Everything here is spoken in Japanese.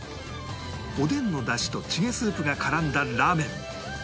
おでんの出汁とチゲスープが絡んだラーメン